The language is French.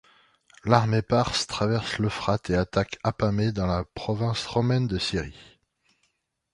L’armée parthe traverse l’Euphrate et attaque Apamée, dans la province romaine de Syrie.